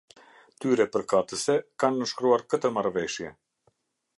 Tyre përkatëse, kanë nënshkruar këtë Marrëveshje.